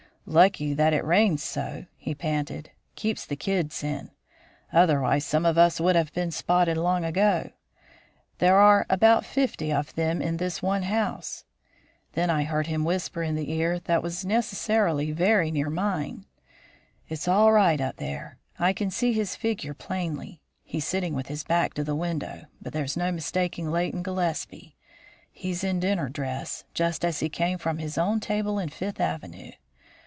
"Lucky that it rains so," he panted; "keeps the kids in. Otherwise some of us would have been spotted long ago. There are about fifty of them in this one house." Then I heard him whisper in the ear that was necessarily very near mine: "It's all right up there. I can see his figure plainly. He's sitting with his back to the window, but there's no mistaking Leighton Gillespie. He's in dinner dress, just as he came from his own table in Fifth Avenue.